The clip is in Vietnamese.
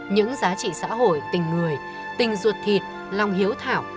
những giá trị xã hội tình người tình ruột thịt lòng hiếu thảo